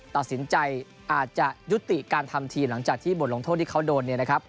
ตัดสินใจอาจจะยุติการทำทีหลังจากที่บทลงโทษที่เขาโดนเนี่ยนะครับ